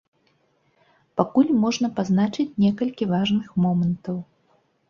Пакуль можна пазначыць некалькі важных момантаў.